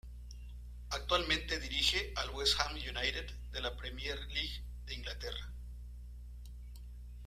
Actualmente dirige al West Ham United de la Premier League de Inglaterra.